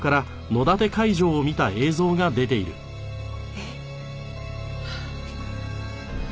えっ？